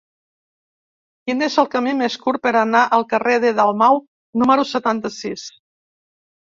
Quin és el camí més curt per anar al carrer de Dalmau número setanta-sis?